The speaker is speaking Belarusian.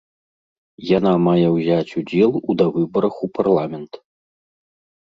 Яна мае ўзяць удзел у давыбарах у парламент.